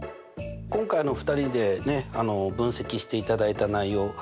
今回２人で分析していただいた内容